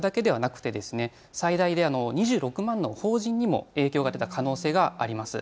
今回、それだけではなくて、最大で２６万の法人にも影響が出た可能性があります。